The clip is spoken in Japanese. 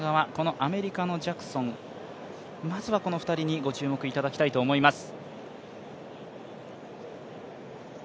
アメリカのジャクソンまずはこの２人にご注目いただきたいと思います。